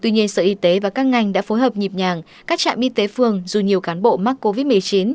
nhà sở y tế và các ngành đã phối hợp nhịp nhàng các trạm y tế phương dù nhiều cán bộ mắc covid một mươi chín